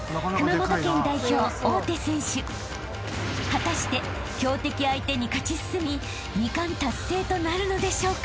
［果たして強敵相手に勝ち進み２冠達成となるのでしょうか？］